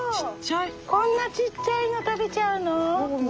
こんなちっちゃいの食べちゃうの？